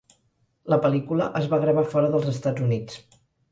La pel·lícula es va gravar fora dels Estats Units.